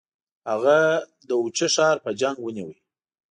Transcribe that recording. هغه د اوچه ښار په جنګ ونیوی.